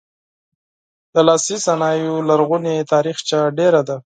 د لاسي صنایعو لرغونې تاریخچه ډیره ده.